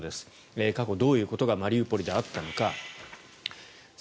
過去どういうことがマリウポリであったのか。